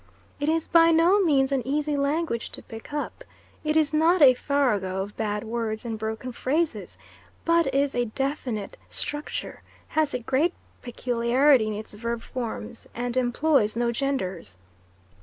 It is by no means an easy language to pick up it is not a farrago of bad words and broken phrases, but is a definite structure, has a great peculiarity in its verb forms, and employs no genders.